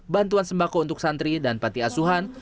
bantuan sembako untuk santri dan panti asuhan